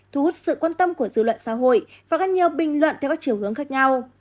thu hút sự quan tâm của dư luận xã hội và các nhiều bình luận theo các chiều hướng khác nhau